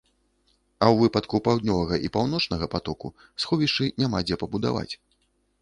А ў выпадку паўднёвага і паўночнага патоку сховішчы няма дзе пабудаваць.